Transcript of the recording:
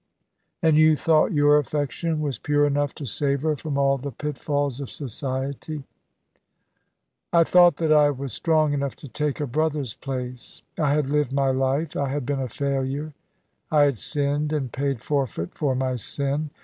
"And you thought your affection was pure enough to save her from all the pitfalls of Society." "I thought that I was strong enough to take a brother's place. I had lived my life; I had been a failure. I had sinned, and paid forfeit for my sin.